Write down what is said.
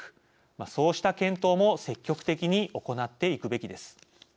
そうした検討も積極的に行っていくべきです。